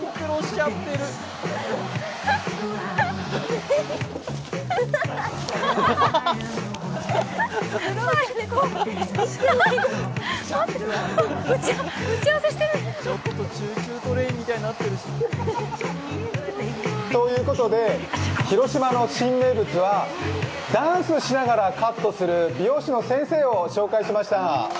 ちゃんとやってよ！ということで、広島の新名物は、ダンスしながらカットする美容師の先生を紹介しました。